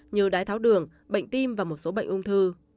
như đái tháo đường bệnh tim và một số bệnh ung thư